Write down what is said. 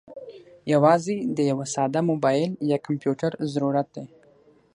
یوازې د یوه ساده موبايل یا کمپیوټر ضرورت دی.